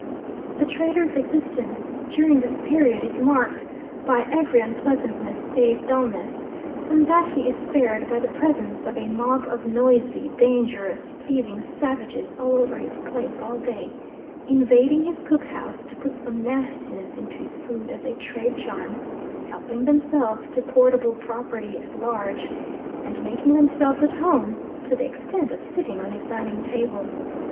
The trader's existence during this period is marked by every unpleasantness save dulness; from that he is spared by the presence of a mob of noisy, dangerous, thieving savages all over his place all day; invading his cook house, to put some nastiness into his food as a trade charm; helping themselves to portable property at large; and making themselves at home to the extent of sitting on his dining table.